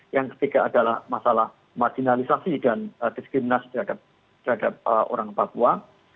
yang ketiga adalah masalah marginalisasi dan diskriminasi terhadap orang papua